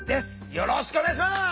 よろしくお願いします。